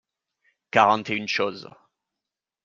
Quarante et une choses.